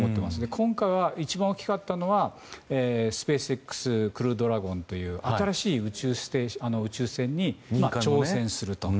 今回は一番大きかったのはスペースＸ「クルードラゴン」という新しい宇宙船に挑戦すると。